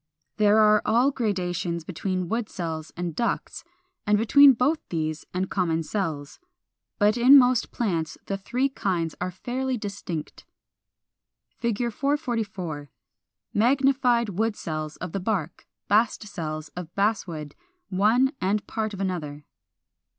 There are all gradations between wood cells and ducts, and between both these and common cells. But in most plants the three kinds are fairly distinct. [Illustration: Fig. 444. Magnified wood cells of the bark (bast cells) of Basswood, one and part of another.